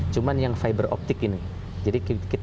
cuma yang fiberoptik ini